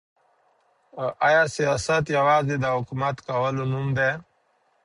آیا سیاست یوازي د حکومت کولو نوم دی؟